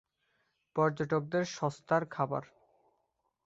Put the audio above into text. পর্যটকদের সস্তার খাবার।